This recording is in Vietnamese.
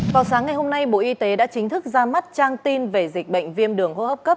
vào sáng ngày hôm nay bộ y tế đã chính thức ra mắt trang tin về dịch bệnh viêm đường hô hấp cấp